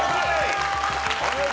お見事。